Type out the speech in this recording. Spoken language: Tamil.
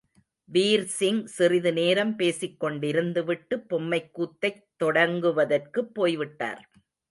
வீர்சிங் சிறிது நேரம் பேசிக் கொண்டிருந்துவிட்டு, பொம்மைக்கூத்தைத் தொடங்குவதற்குப் போய்விட்டார்.